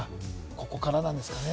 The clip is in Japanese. ここからなんですかね。